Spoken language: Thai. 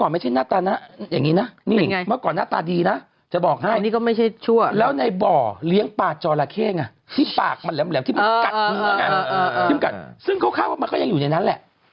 เมื่อก่อนหน้าตาดีนะจะบอกให้แล้วในบ่อเลี้ยงปากจอหลาเข้งที่ปากมันแหลมที่มันกัดซึ่งค่อนข้างมันก็ยังอยู่ในนั้นแหละ